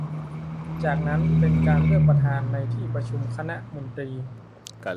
จากนั้นเป็นการเลือกประธานในที่ประชุมคณะมนตรี